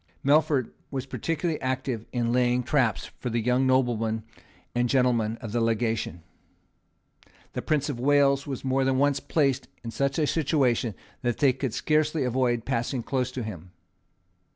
Melfort was particularly active in laying traps for the young noblemen and gentlemen of the Legation. The Prince of Wales was more than once placed in such a situation that they could scarcely avoid passing close to him.